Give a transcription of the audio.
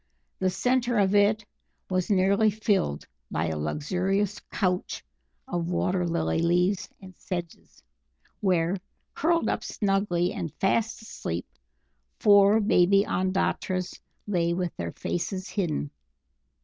The centre of it was nearly filled by a luxurious couch of water lily leaves and sedges, where, curled up snugly and fast asleep, four baby Ondatras lay with their faces hidden.